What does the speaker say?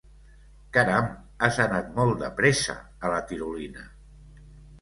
Caram, has anat molt de pressa a la tirolina!